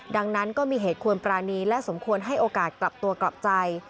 ดังนั้นก็มีเหตุควรปรานีและสมควรให้โอกาสกลับตัวกลับใจ